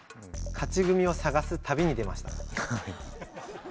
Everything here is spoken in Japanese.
勝ち組を探す旅に出ました。